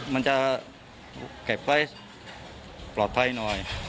มันจะเก็บไว้ปลอดภัยหน่อย